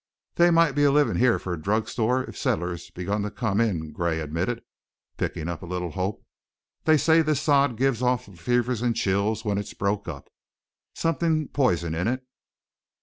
"There might be a livin' here for a drug store if settlers begun to come in," Gray admitted, picking up a little hope. "They say this sod gives off fevers and chills when it's broke up. Something poison in it."